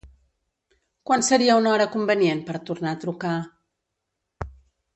Quan seria una hora convenient per tornar a trucar?